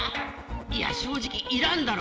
いや正直いらんだろ。